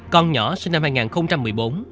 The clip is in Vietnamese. con nhỏ sinh năm hai nghìn một mươi bốn